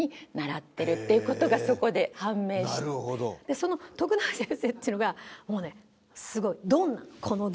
その徳永先生っていうのがもうねすごい。